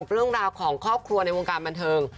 เรื่องราวของครอบครัวในวงการบันเทิง